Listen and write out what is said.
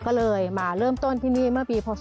ก็เลยมาเริ่มต้นที่นี่เมื่อปีพศ๒๕